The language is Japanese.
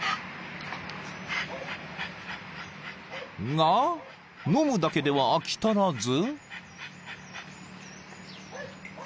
［が飲むだけでは飽き足らず］